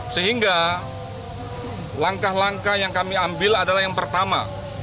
sehingga langkah langkah yang kami ambil adalah yang pertama